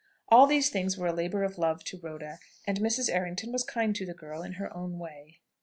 All these things were a labour of love to Rhoda. And Mrs. Errington was kind to the girl in her own way.